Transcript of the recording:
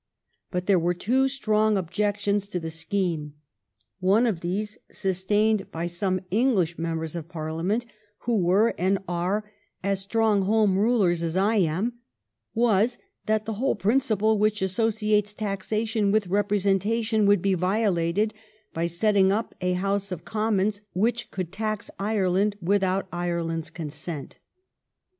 But there were two strong objections to the scheme. One of these, sustained by some Eng lish members of Parliament who were and are as strong Home Rulers as I am, was that the whole principle which associates taxation with representation would be violated by setting up a House of Commons which could tax Ireland with out Ireland's consent.